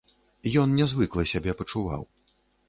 Ён нязвыкла сябе пачуваў.